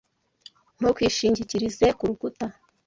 Ntukishingikirize kurukuta.